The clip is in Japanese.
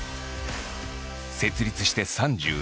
設立して３６年。